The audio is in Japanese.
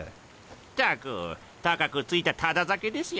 ったく高くついたタダ酒ですよ。